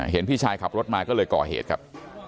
เห็นพี่ชายขับรถมาก็เลยก่อเหตุครับ